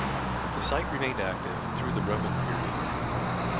The site remained active through the Roman period.